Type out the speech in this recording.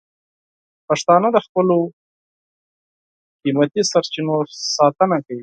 پښتانه د خپلو قیمتي سرچینو ساتنه کوي.